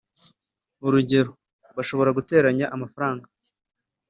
urugero:bashobora guteranya amafaranga